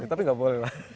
tapi gak boleh lah